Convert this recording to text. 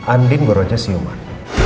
andin beruatnya siuman